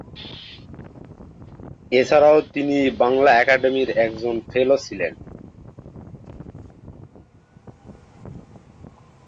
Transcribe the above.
এছাড়া, তিনি বাংলা একাডেমির একজন ফেলো ছিলেন।